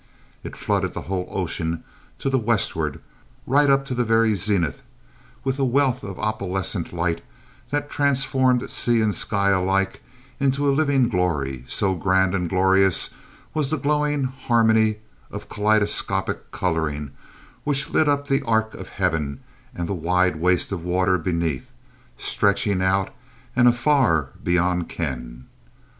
It flooded the whole ocean to the westward, right up to the very zenith, with a wealth of opalescent light that transformed sea and sky alike into a living glory, so grand and glorious was the glowing harmony of kaleidoscopic colouring which lit up the arc of heaven and the wide waste of water beneath, stretching out and afar beyond ken.